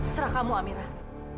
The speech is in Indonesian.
serah kamu amirat